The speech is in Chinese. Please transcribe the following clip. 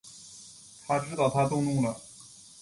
他知道她动怒了